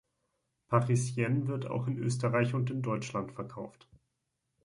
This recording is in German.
Parisienne wird auch in Österreich und in Deutschland verkauft.